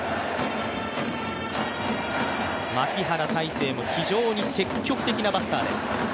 牧原大成も非常に積極的なバッターです。